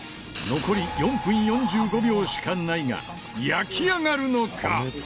残り４分４５秒しかないが焼き上がるのか？